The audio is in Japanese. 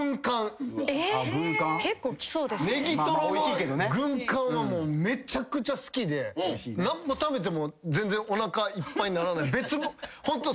ネギトロの軍艦はめちゃくちゃ好きでなんぼ食べても全然おなかいっぱいにならない。